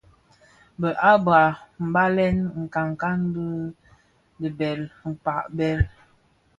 Bë habra mbalèn nkankan bi bibèl (Mkpa - Bhèl),